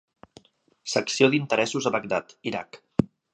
Secció d'Interessos a Bagdad, Iraq.